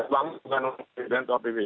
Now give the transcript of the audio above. uang bukan untuk pbb atau pbb